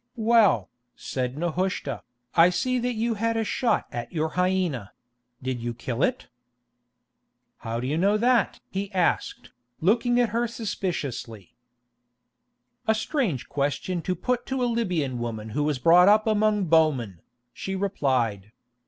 "Well," said Nehushta, "I see that you had a shot at your hyena; did you kill it?" "How do you know that?" he asked, looking at her suspiciously. "A strange question to put to a Libyan woman who was brought up among bowmen," she replied.